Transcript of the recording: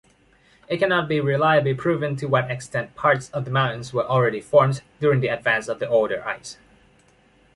It cannot be reliably proven to what extent parts of the mountains were already formed during the advance of the older ice.